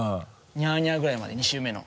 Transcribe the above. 「ニャーニャー」ぐらいまで２周目の。